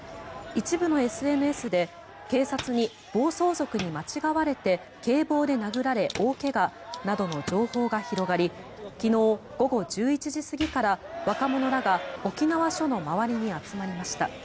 一部のＳＮＳで警察に暴走族に間違われて警棒で殴られ大怪我などの情報が広がり昨日午後１１時過ぎから若者らが沖縄署の周りに集まりました。